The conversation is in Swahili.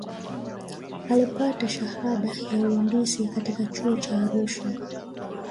alipata shahada ya uandisi katika chuo cha arusha